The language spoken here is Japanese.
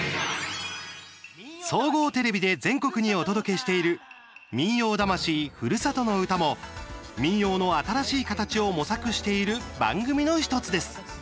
総合テレビで全国にお届けしている「民謡魂ふるさとの唄」も民謡の新しい形を模索している番組の１つです。